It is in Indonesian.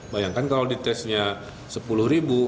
bayangkan kalau ditesnya sepuluh ribu